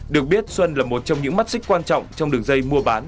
được biết xuân là một trong những mắt xích quan trọng trong đường dây mua bán